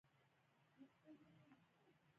امامان د ښوونې میتود زده کړي.